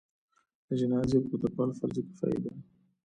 د جنازې پورته کول فرض کفایي دی.